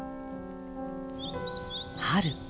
「春」。